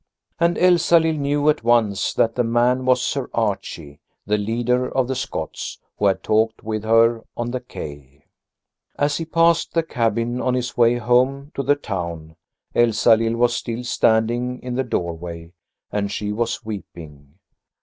And Elsalill knew at once that the man was Sir Archie, the leader of the Scots, who had talked with her on the quay. As he passed the cabin on his way home to the town, Elsalill was still standing in the doorway, and she was weeping.